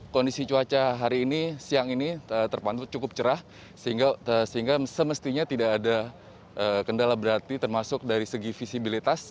kondisi cuaca hari ini siang ini terpantau cukup cerah sehingga semestinya tidak ada kendala berarti termasuk dari segi visibilitas